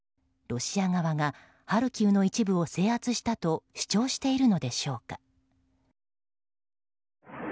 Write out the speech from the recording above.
ロシア側がハルキウの一部を制圧したと主張しているのでしょうか。